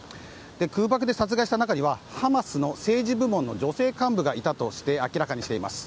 空爆で殺害した中にはハマスの政治部門の女性幹部がいたと明らかにしています。